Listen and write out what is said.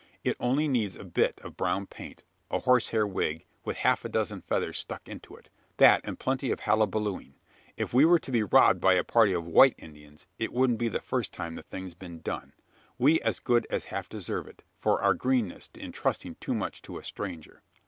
It only needs a bit of brown paint; a horsehair wig, with half a dozen feathers stuck into it; that, and plenty of hullabalooing. If we were to be robbed by a party of white Indians, it wouldn't be the first time the thing's been done. We as good as half deserve it for our greenness, in trusting too much to a stranger."